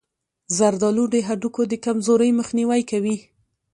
زردآلو د هډوکو د کمزورۍ مخنیوی کوي.